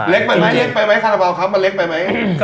เล็กไปไหมเล็กไปไหม